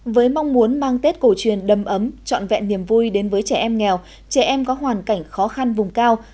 với mong muốn mang tết cổ truyền đâm ấm trọn vẹn niềm vui đến với trẻ em nghèo trẻ em có hoàn cảnh khó khăn vùng cao